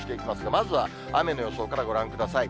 まずは雨の予想からご覧ください。